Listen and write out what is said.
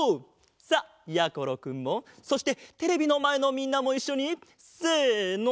さあやころくんもそしてテレビのまえのみんなもいっしょにせの！